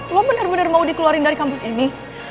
lo bener bener mau dikeluarin dari kampus ini